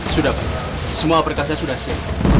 sudah pak semua perkasa sudah siap